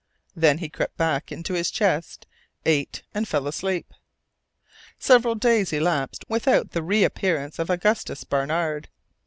Then he crept back into his chest, ate, and fell asleep. Several days elapsed without the reappearance of Augustus Barnard.